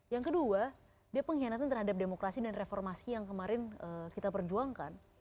yang kedua dia pengkhianatan terhadap demokrasi dan reformasi yang kemarin kita perjuangkan